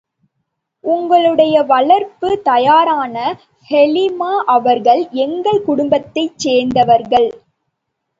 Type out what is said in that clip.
உங்களுடைய வளர்ப்புத் தாயாரான ஹலீமா அவர்கள் எங்கள் குடும்பத்தைச் சேர்ந்தவர்கள்.